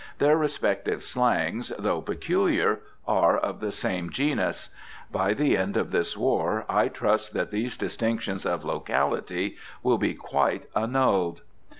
Their respective slangs, though peculiar, are of the same genus. By the end of this war, I trust that these distinctions of locality will be quite annulled.